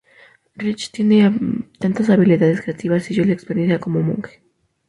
Rich tiene tantas habilidades creativas, y yo la experiencia como monje.